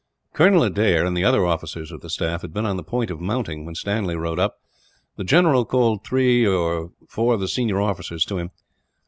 Colonel Adair and the other officers of the staff had been on the point of mounting, when Stanley rode up. The general called two or three of the senior officers to him.